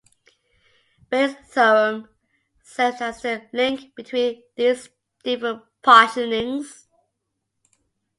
Bayes' theorem serves as the link between these different partitionings.